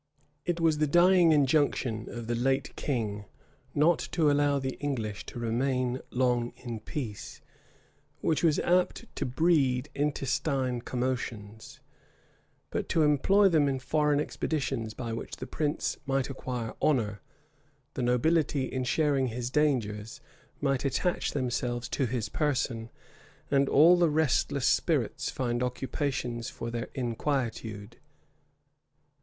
It was the dying injunction of the late king to his son, not to allow the English to remain long in peace, which was apt to breed intestine commotions; but to employ them in foreign expeditions, by which the prince might acquire honor; the nobility, in sharing his dangers, might attach themselves to his person; and all the restless spirits find occupation for their inquietude.